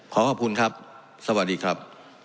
ขอขอบคุณครับสวัสดีครับ